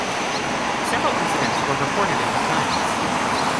Several incidents were reported in "The Times".